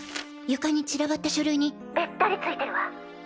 床に散らばった書類にベッタリついてるわ。